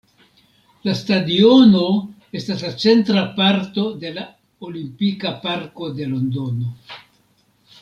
La stadiono estas la centra parto de la Olimpika Parko de Londono.